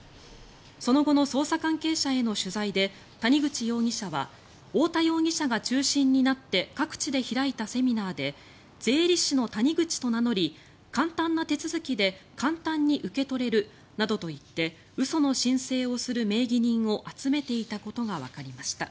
その後の捜査関係者への取材で谷口容疑者は太田容疑者が中心になって各地で開いたセミナーで税理士の谷口と名乗り簡単な手続きで簡単に受け取れるなどと言って嘘の申請をする名義人を集めていたことがわかりました。